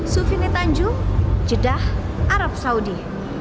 sufine tanju jeddah arab saudi